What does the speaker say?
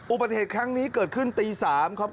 อุปเทศครั้งนี้เกิดขึ้นตี๓ครับ